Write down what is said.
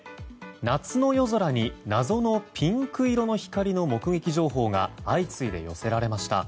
夏の夜空に謎のピンク色の光の目撃情報が相次いで寄せられました。